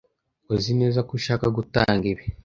Uzi neza ko ushaka gutanga ibi?